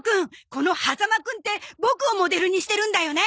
このハザマくんってボクをモデルにしてるんだよね？